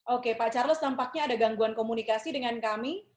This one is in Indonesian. oke pak charles tampaknya ada gangguan komunikasi dengan kami